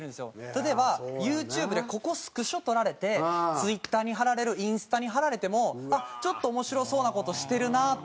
例えばユーチューブでここスクショ撮られてＴｗｉｔｔｅｒに貼られるインスタに貼られてもちょっと面白そうな事してるなとか。